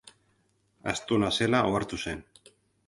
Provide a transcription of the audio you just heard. Astuna zela ohartu zen.